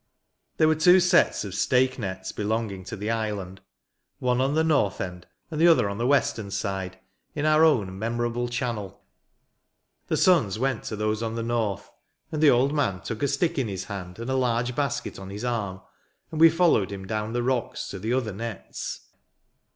There were two sets of " stake nets " belonging to the island ; one on the north end, and the other on the western side, in our own memorable channel. The sons went to those on the north \ and the old man took a stick in his hand, and a large basket on his arm, and we followed him down the rocks to the other nets.